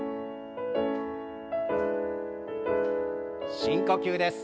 深呼吸です。